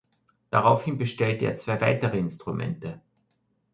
Daraufhin bestellte er zwei weitere Instrumente.